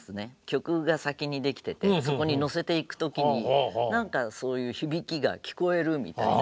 曲が先に出来ててそこに乗せていく時に何かそういう響きが聴こえるみたいな。